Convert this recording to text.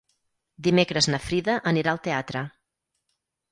Dimecres na Frida anirà al teatre.